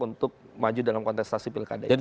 untuk maju dalam kontestasi pilkada ini